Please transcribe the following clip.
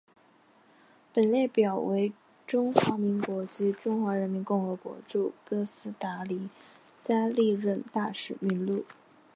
本列表为中华民国及中华人民共和国驻哥斯达黎加历任大使名录。